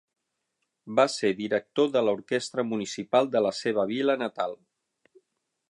Va ser director de l'orquestra municipal de la seva vila natal.